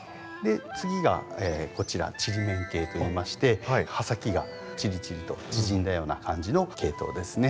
次がこちらちりめん系といいまして葉先がちりちりと縮んだような感じの系統ですね。